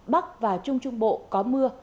bắc và trung trung bộ có mưa